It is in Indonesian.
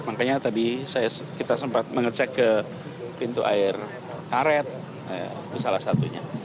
makanya tadi kita sempat mengecek ke pintu air karet itu salah satunya